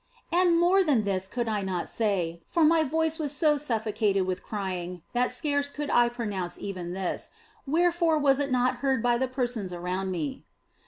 " And more than this I could not say, for my voice was so suffocated with crying that scarce could OF FOLIGNO 167 I pronounce even this, wherefore was it not heard by the persons around me.